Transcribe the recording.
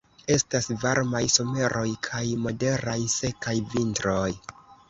Estas varmaj someroj kaj moderaj sekaj vintroj.